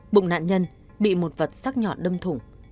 bụng nạn nhân bị một vật sát nhọn đâm thủ